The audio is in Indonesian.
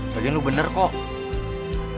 tadi kan lo bener kok